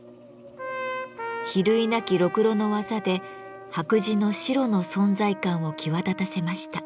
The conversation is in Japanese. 比類なきろくろの技で白磁の白の存在感を際立たせました。